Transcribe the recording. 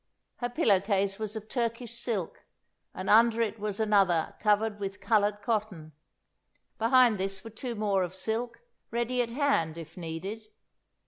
Her pillow case was of Turkish silk, and under it was another covered with coloured cotton. Behind this were two more of silk, ready at hand, if needed.